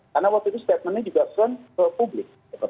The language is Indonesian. karena waktu itu statementnya juga sesuai ke publik